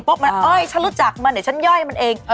มันเอ้ยฉันรู้จักมันเดี๋ยวฉันย่อยมันเอง